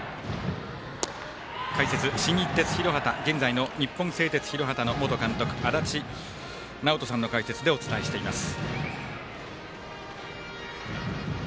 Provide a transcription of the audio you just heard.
解説、新日鉄広畑現在の日本製鉄広畑、元監督の足達尚人さんの解説でお伝えしています。